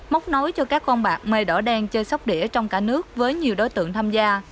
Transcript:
móc nối cho các con bạc mây đỏ đen chơi sóc đĩa trong cả nước với nhiều đối tượng tham gia